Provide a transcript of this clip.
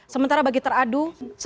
sementara bagi teradu sepuluh